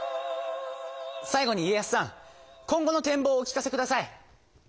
最後に家康さん今後のてん望をお聞かせください。